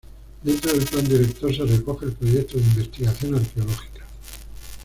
Dentro del plan director se recoge el proyecto de investigación arqueológica.